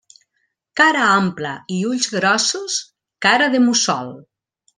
Cara ampla i ulls grossos, cara de mussol.